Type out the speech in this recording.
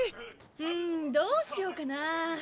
んーどうしようかなぁ。